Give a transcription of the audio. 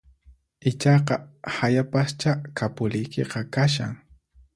Ichaqa hayapaschá kapuliykiqa kashan